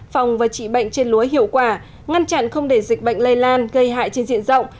phòng và trị bệnh trên lúa hiệu quả ngăn chặn không để dịch bệnh lây lan gây hại trên diện rộng